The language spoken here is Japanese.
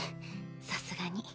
さすがに。